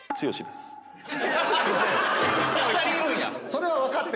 ２人いるんや！